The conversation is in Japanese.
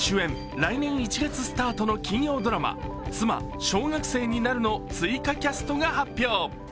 来年１月放送の金曜ドラマ「妻、小学生になる」の追加キャストが発表。